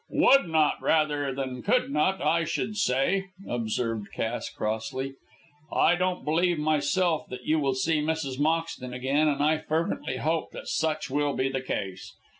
"Humph! Would not, rather than could not, I should say," observed Cass, crossly. "I don't believe myself that you will see Mrs. Moxton again, and I fervently hope that such will be the case.